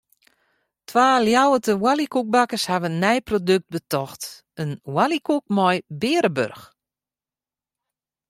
Twa Ljouwerter oaljekoekbakkers hawwe in nij produkt betocht: in oaljekoek mei bearenburch.